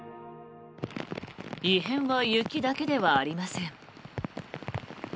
異変は雪だけではありません。